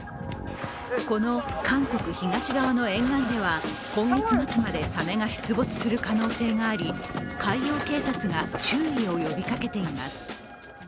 この韓国東側の沿岸では今月末までサメが出没する可能性があり海洋警察が注意を呼びかけています。